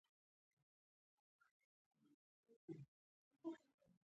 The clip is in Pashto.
هېنري واډز اورت وایي ساده ګي تر ټولو غوره ده.